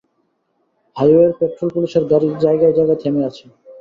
হাইওয়ের পেট্রল পুলিশের গাড়ি জায়গায় জায়গায় থেমে আছে।